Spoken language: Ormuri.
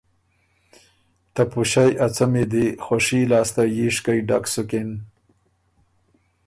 ته پُݭئ ا څمی دی خوشي لاسته ییشکئ ډک سُکِن